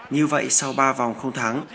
như vậy sau ba vòng không thắng